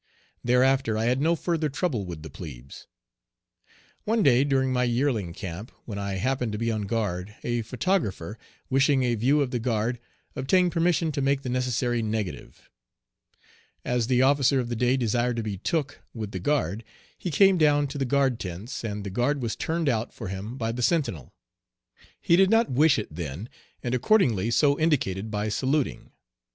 Thereafter I had no further trouble with the plebes. One day, during my yearling camp, when I happened to be on guard, a photographer, wishing a view of the guard, obtained permission to make the necessary negative. As the officer of the day desired to be "took" with the guard, he came down to the guard tents, and the guard was "turned out" for him by the sentinel. He did not wish it then, and accordingly so indicated by saluting.